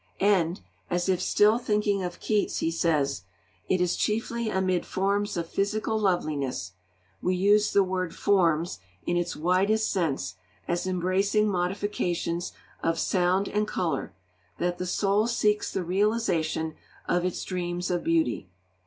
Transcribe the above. And, as if still thinking of Keats, he says: 'It is chiefly amid forms of physical loveliness (we use the word forms in its widest sense as embracing modifications of sound and colour) that the soul seeks the realisation of its dreams of Beauty.'